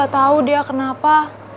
aku gak tahu dia kenapa